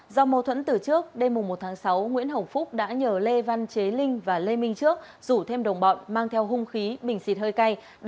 do mâu thuẫn từ trước đêm một tháng sáu nguyễn hồng phúc đã nhờ lê văn chế linh và lê minh trước rủ thêm đồng bọn mang theo hung khí bình xịt hơi cay